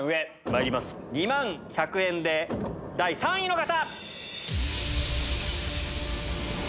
まいります２万１００円で第３位の方！